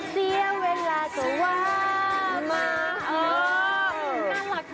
เสียเวลาเถอะว่ามักเหรออ๋อน่ารักมากเลย